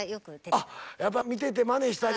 あやっぱ見ててまねしたり。